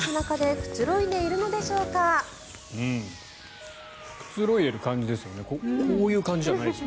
くつろいでいる感じですよね。